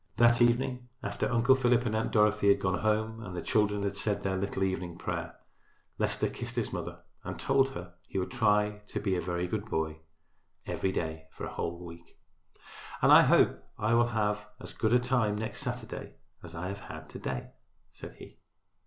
That evening after Uncle Philip and Aunt Dorothy had gone home and the children had said their little evening prayer Leicester kissed his mother and told her he would try to be a good boy every day for a whole week. "And I hope I will have as good a time next Saturday as I have had to day," said he.